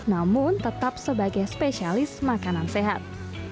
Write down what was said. namun tetap sebagai spesialis makanan sehat